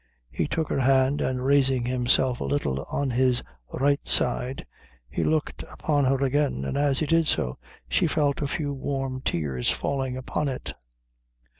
He took her hand, and raising himself a little on his right side, he looked upon her again; and as he did so, she felt a few warm tears falling upon it.